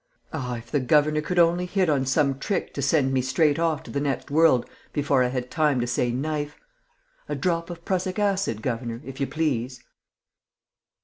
Ah, if the governor could only hit on some trick to send me straight off to the next world before I had time to say knife! A drop of Prussic acid, governor, if you please!